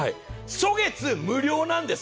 初月無料なんです。